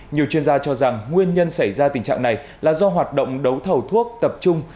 nhiều chuyên gia cho rằng nguyên nhân xảy ra tình trạng này là do hoạt động đấu thầu thuốc tập trung